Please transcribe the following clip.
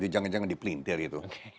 jangan jangan dipelintir itu